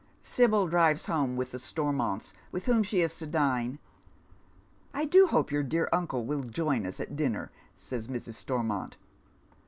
Sibyl drives home with the Stormonts, with whom she is to dine. " I do hope your dear uncle will join us at dinner," says Mrs. Stormont.